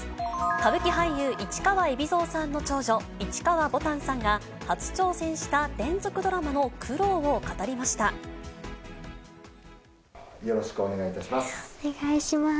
歌舞伎俳優、市川海老蔵さんの長女、市川ぼたんさんが、初挑戦した連続ドラマよろしくお願いいたします。